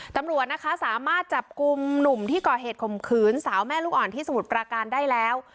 ตำรวจนะคะสามารถจับกลุ่มหนุ่มที่ก่อเหตุข่มขืนสาวแม่ลูกอ่อนที่สมุทรปราการได้แล้ว